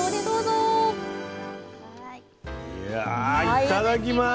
いただきます。